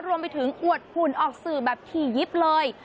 รวมไปถึงอวดหุ่นออกสื่อแบบถี่ยิบเลย